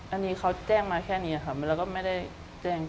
อันนี้เขาแจ้งมาแค่นี้ค่ะแล้วก็ไม่ได้แจ้ง